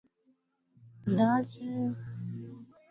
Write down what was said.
Dada yangu ni kioo cha jamii.